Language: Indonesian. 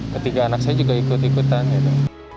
ketiga anak saya juga ikut ikutan gitu